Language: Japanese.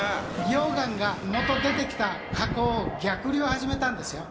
溶岩がもと出てきた火口を逆流を始めたんですよ。